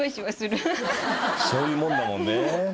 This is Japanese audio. そういうもんだもんね。